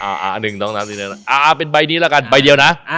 อ่าเป็นใบนี้ละกันใบเดียวนะ